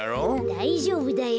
だいじょうぶだよ。